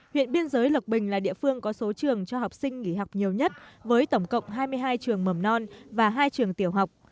huyện biên giới lộc bình là địa phương có số trường cho học sinh nghỉ học nhiều nhất với tổng cộng hai mươi hai trường mầm non và hai trường tiểu học